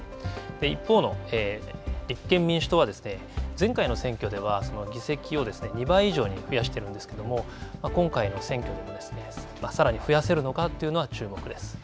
一方の立憲民主党は前回の選挙では議席を２倍以上に増やしているんですけれども、今回の選挙でもさらに増やせるのかというのは注目です。